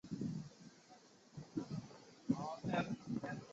所谓的军户就是其户籍种类属于军籍的军人。